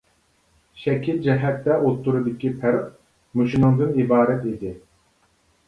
شەكىل جەھەتتە ئوتتۇرىدىكى پەرق مۇشۇنىڭدىن ئىبارەت ئىدى.